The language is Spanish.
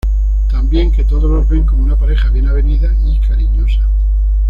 Tan bien que todos los ven como una pareja bien avenida y cariñosa.